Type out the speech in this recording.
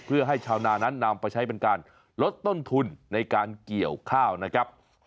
เพื่อให้ชาวนานั้นนำไปใช้เป็นการลดต้นทุนในการเกี่ยวข้าวนะครับ